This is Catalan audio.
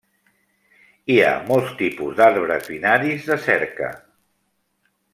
Hi ha molts tipus d'arbres binaris de cerca.